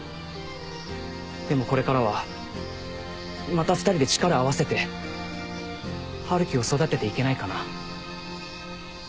でもこれからはまた２人で力を合わせて春樹を育てていけないかな？